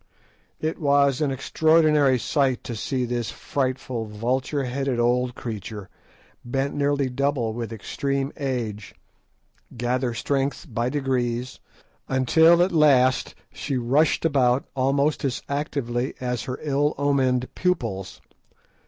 It was an extraordinary sight to see this frightful vulture headed old creature, bent nearly double with extreme age, gather strength by degrees, until at last she rushed about almost as actively as her ill omened pupils.